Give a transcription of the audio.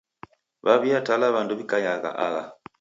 W'aw'iatala w'andu w'ikaiagha aha.